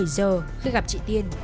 một mươi bảy giờ khi gặp chị tiên